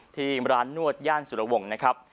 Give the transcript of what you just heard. ที่ร้านนวดย่านสุรวงศ์นะครับ